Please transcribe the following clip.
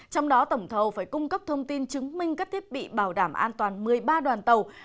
trong đó tổng thầu phải cung cấp thông tin chứng minh các thiết bị bảo đảm an toàn một mươi ba đoàn tàu